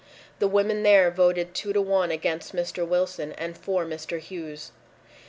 The women there voted two to one against Mr. Wilson and for Mr. Hughes.